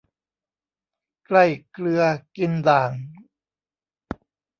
ใกล้เกลือกินด่าง